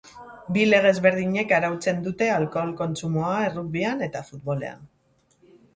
Bi lege ezberdinek arautzen dute alkohol kontsumoa errugbian eta futbolean.